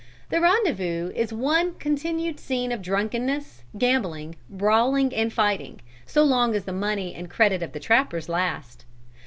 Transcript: "The rendezvous is one continued scene of drunkenness, gambling, brawling and fighting, so long as the money and credit of the trappers last.